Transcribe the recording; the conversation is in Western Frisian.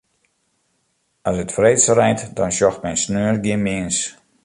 As it freeds reint, dan sjocht men sneons gjin mins.